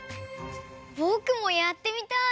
ぼくもやってみたい！